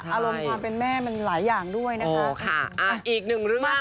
อารมณ์ความเป็นแม่มันหลายอย่างด้วยนะคะ